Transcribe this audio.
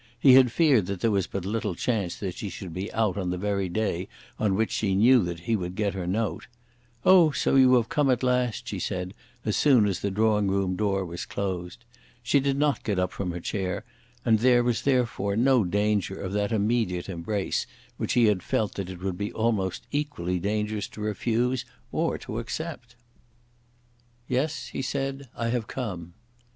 He had feared that there was but little chance that she should be out on the very day on which she knew that he would get her note. "Oh, so you have come at last," she said as soon as the drawing room door was closed. She did not get up from her chair, and there was therefore no danger of that immediate embrace which he had felt that it would be almost equally dangerous to refuse or to accept. "Yes," he said, "I have come."